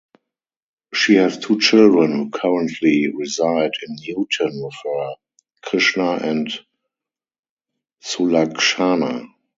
She has two children who currently reside in Newton with her, Krishna and Sulakshana.